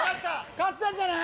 勝ったんじゃない？